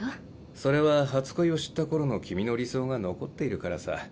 それは初恋を知った頃の君の理想が残っているからさ。